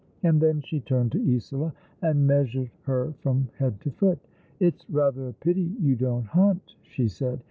And then she turned to Isola, and measured her from head to foot. " It's rather a pity you don't hunt," she said.